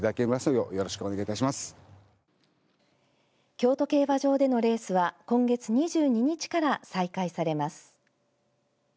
京都競馬場でのレースは今月２２日から再開されます。